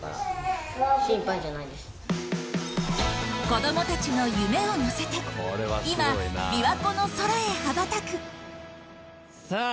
子どもたちの夢を乗せて今琵琶湖の空へ羽ばたくさあ